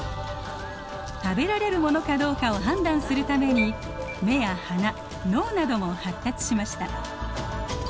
食べられるものかどうかを判断するために眼や鼻脳なども発達しました。